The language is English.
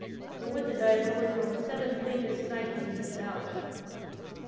For with it I have overthrown seven famous knights in this hour."